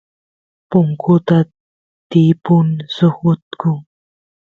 punkuta tiypun suk utku